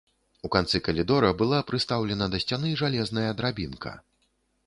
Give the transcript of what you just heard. У канцы калідора была прыстаўлена да сцяны жалезная драбінка.